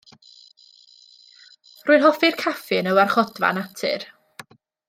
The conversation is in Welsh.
Rwy'n hoffi'r caffi yn y Warchodfa Natur.